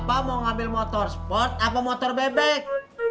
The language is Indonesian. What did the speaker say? bapak mau ngambil motor sport aku motor bebek